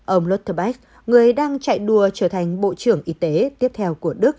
ông ludwig weiss người đang chạy đùa trở thành bộ trưởng y tế tiếp theo của đức